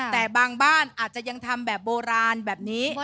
แต่บางบ้านอาจจะยังทำแบบโบราณแบบนี้